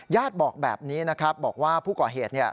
บอกแบบนี้นะครับบอกว่าผู้ก่อเหตุ